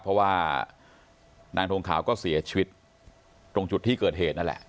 เพราะว่านางทงขาวก็เสียชีวิตตรงจุดที่เกิดเหตุนั่นแหละ